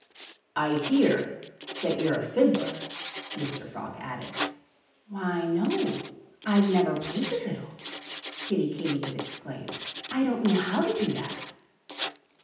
"I hear that you're a fiddler," Mr. Frog added. "Why, no! I've never played the fiddle!" Kiddie Katydid exclaimed. "I don't know how to do that."